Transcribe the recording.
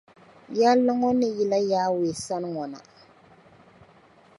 Yɛlli ŋɔ ni yila Yawɛ sani ŋɔ na.